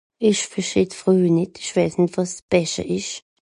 ìsch versteh d'freuj nìt ìsch weiss nìt wàs bèsche esch